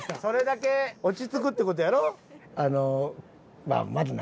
それだけ落ち着くってことやろ。